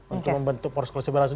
untuk membentuk polos koalisi baru